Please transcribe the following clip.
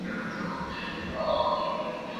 Ukienda kanisani niombee.